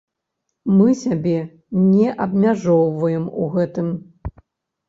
Мы сябе не абмяжоўваем у гэтым.